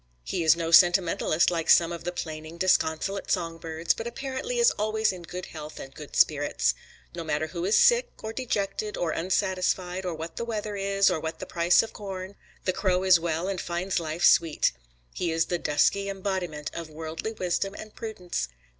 He is no sentimentalist like some of the plaining, disconsolate song birds, but apparently is always in good health and good spirits. No matter who is sick, or dejected, or unsatisfied, or what the weather is, or what the price of corn, the crow is well and finds life sweet. He is the dusky embodiment of worldly wisdom and prudence.